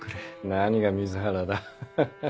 何が水ハラだハハハ